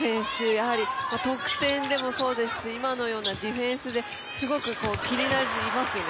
やはり、得点でもそうですし、今のようなディフェンスですごく気になりますよね。